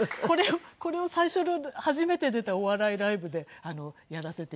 これを最初の初めて出たお笑いライブでやらせて頂いて。